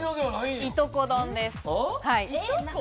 いとこ丼です。